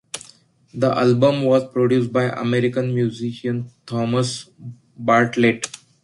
The album was produced by American musician Thomas Bartlett.